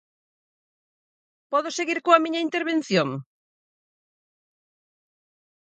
¿Podo seguir coa miña intervención?